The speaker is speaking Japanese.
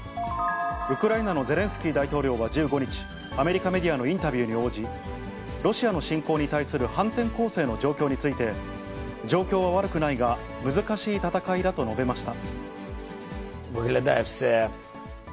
ウクライナのゼレンスキー大統領は１５日、アメリカメディアのインタビューに応じ、ロシアの侵攻に対する反転攻勢の状況について、状況は悪くないが、難しい戦いだと述べました。